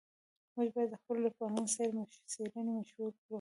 موږ باید د خپلو لیکوالانو څېړنې مشهورې کړو.